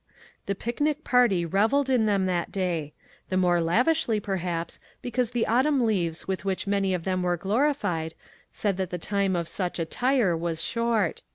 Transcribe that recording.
The picnic party reveled in them that day — the more lavishly, perhaps, ' because the autumn leaves with which many of them were glorified said that the time of such attire was short.